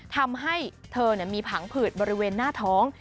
ทำให้เธอมีผังผืดบริเวณหน้าท้อง